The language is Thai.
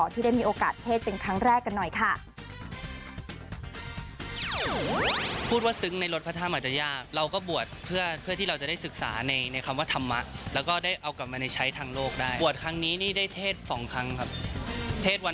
ที่ได้มีโอกาสเทศเป็นครั้งแรกกันหน่อยค่ะ